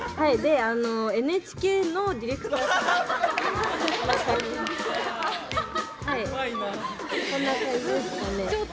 ＮＨＫのディレクターさんは。